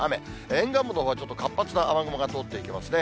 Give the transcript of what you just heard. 沿岸部のほうはちょっと活発な雨雲が通っていきますね。